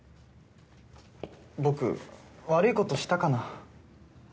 僕悪いことしたかな？